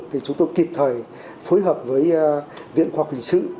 thì chúng tôi kịp thời phối hợp với viện khoa quỳnh sự